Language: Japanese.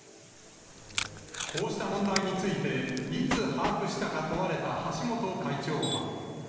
こうした問題について、いつ把握したか問われた橋本会長は。